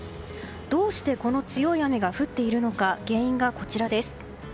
どうしてこの強い雨が降っているのか原因がこちらです。